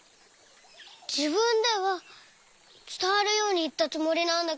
じぶんではつたわるようにいったつもりなんだけど。